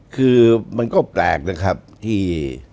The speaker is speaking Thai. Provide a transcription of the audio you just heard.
คือมันก็แปลกนะครับที่